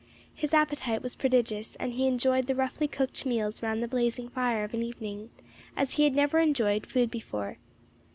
His appetite was prodigious, and he enjoyed the roughly cooked meals round the blazing fire of an evening, as he had never enjoyed food before.